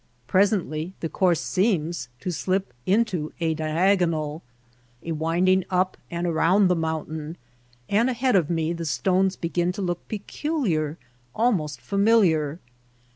Presently the course seems to slip into a diagonal — a winding up and around the mountain — and ahead of me the stones begin to look peculiar, almost familiar.